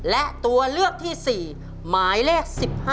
และตัวเลือกที่๔หมายเลข๑๕